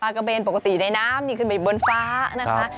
กระเบนปกติในน้ำนี่ขึ้นไปบนฟ้านะคะ